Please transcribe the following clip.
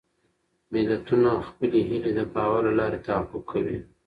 ملتونه خپلې هېلې د باور له لارې تحقق کوي.